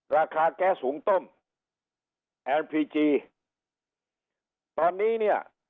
ราคาแก๊สหุงต้มแอนพีจีตอนนี้เนี่ย